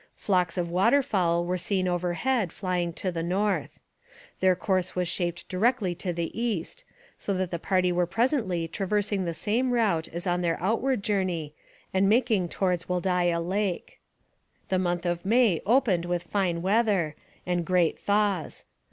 Flocks of waterfowl were seen overhead, flying to the north. Their course was shaped directly to the east, so that the party were presently traversing the same route as on their outward journey and making towards Wholdaia Lake. The month of May opened with fine weather and great thaws.